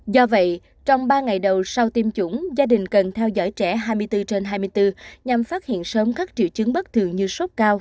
do vậy trong ba ngày đầu sau tiêm chủng gia đình cần theo dõi trẻ hai mươi bốn trên hai mươi bốn nhằm phát hiện sớm các triệu chứng bất thường như sốt cao